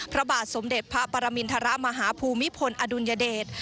พระบาทสมเด็จพระปรมินทรมาฮภูมิพลอดุลยเดช